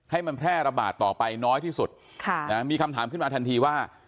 ให้มันแพร่ระบาดต่อไปน้อยที่สุดค่ะนะมีคำถามขึ้นมาทันทีว่า